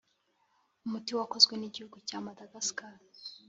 umuti wakozwe n’igihugu cya madagascar.